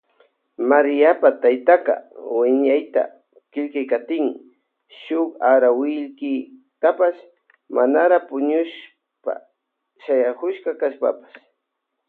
Maríapa taytaka wiñayta killkakatin shun arawikillkata manara puñushpa shayakushka kashpapash.